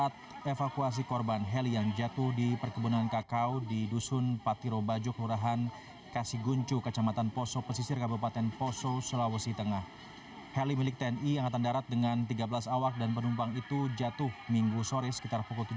tidak ada arah sana tidak ada arah sana